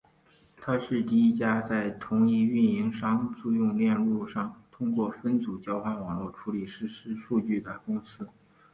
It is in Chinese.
她是第一家在同一运营商租用链路上通过分组交换网络处理实时数据的公司。